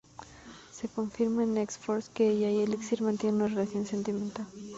Se confirma en X-Force que ella y Elixir mantienen una relación sentimental.